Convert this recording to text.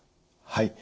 はい。